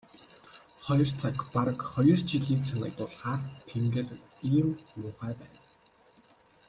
Хоёр цаг бараг хоёр жилийг санагдуулахаар тэнгэр тийм муухай байна.